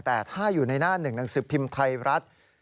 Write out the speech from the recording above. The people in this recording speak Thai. แต่ถ้าอยู่ในหน้าหนึ่งหนังสือพิมพ์ไทยรัฐ